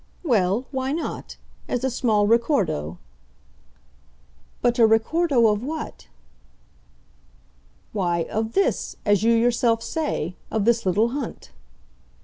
"Well, why not as a small ricordo." "But a ricordo of what?" "Why, of 'this' as you yourself say. Of this little hunt."